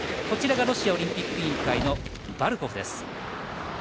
こちらがロシアオリンピック委員会のバルコフです。